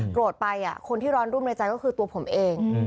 ไปคนที่ร้อนรุ่มในใจก็คือตัวผมเอง